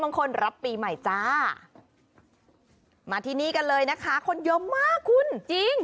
บางคนรับปีใหม่จ้ามาที่นี่กันคนเยอะมากคุณจริง